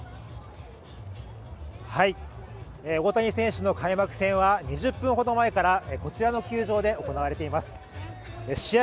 大谷選手の開幕戦は２０分ほど前から、こちらの球場で行われています試合